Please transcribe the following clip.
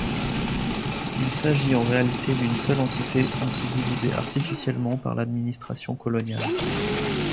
Il s'agit en réalité d'une seule entité, ainsi divisée artificiellement par l'administration coloniale.